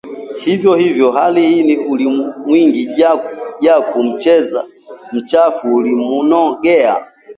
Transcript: Vivyo hivyo hali hii ilimwingia Jaku , mchezo mchafu ulimnogea